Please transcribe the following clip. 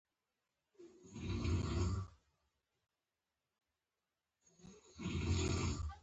ستړیا یې په مخونو کې ښکاره کېده.